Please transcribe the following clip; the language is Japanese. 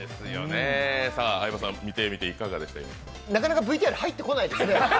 なかなかＶＴＲ入ってこないですね。